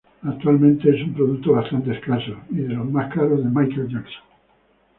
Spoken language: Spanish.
Actualmente es un producto bastante escaso y de los más caros de Michael Jackson.